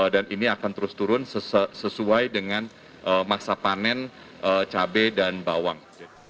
dan ini akan terus turun sesuai dengan masa panen cabai dan biji